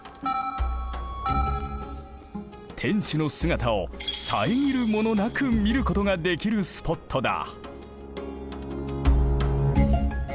天守の姿を遮るものなく見ることができるスポットだ。